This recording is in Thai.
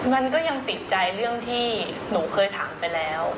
มันก็ยังติดใจเรื่องที่หนูเคยถามไปแล้ว